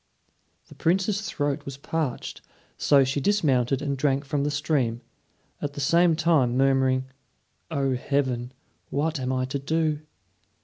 The Princess's throat was parched, so she dismounted and drank from the stream, at the same time murmuring, "O, Heaven! what am I to do?"